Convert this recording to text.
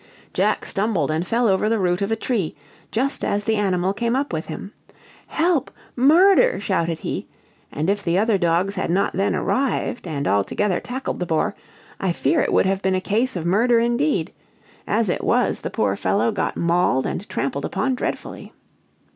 Jack stumbled and fell over the root of a tree, just as the animal came up with him. 'Help! murder,' shouted he; and if the other dogs had not then arrived, and all together tackled the boar, I fear it would have been a case of murder indeed! as it was, the poor fellow got mauled and trampled upon dreadfully.